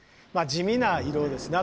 地味な色ですね。